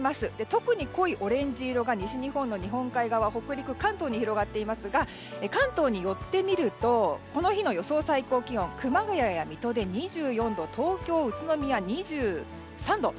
特に濃いオレンジ色が西日本の日本海側北陸、関東に広がっていますが関東に寄ってみるとこの日の予想最高気温熊谷や水戸で２４度東京、宇都宮、２３度。